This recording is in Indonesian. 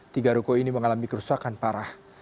tiga ruko ini mengalami kerusakan parah